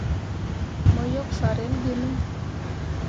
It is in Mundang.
Mo yok farelle gi me.